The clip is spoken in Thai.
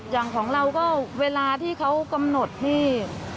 อย่างของเราก็เวลาที่เขากำหนดนี่